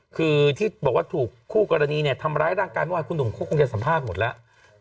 คือที่บอกว่าถูกคู่กรณีเนี่ยทำร้ายร่างกายเมื่อวานคุณหนุ่มก็คงจะสัมภาษณ์หมดแล้ว